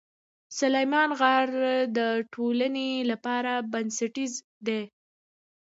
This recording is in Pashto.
سلیمان غر د ټولنې لپاره بنسټیز دی.